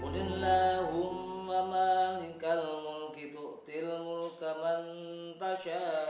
udinlahum mamahinkal mulkituk tilmulka mantasha